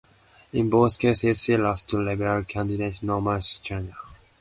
In both cases she lost to Liberal candidate Norman Schneider.